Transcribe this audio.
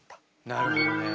なるほどね。